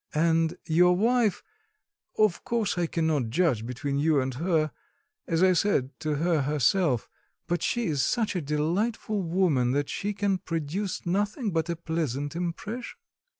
And your wife... of course I cannot judge between you and her as I said to her herself; but she is such a delightful woman that she can produce nothing but a pleasant impression."